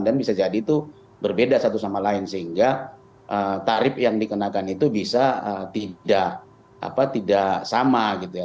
dan bisa jadi itu berbeda satu sama lain sehingga tarif yang dikenakan itu bisa tidak sama gitu ya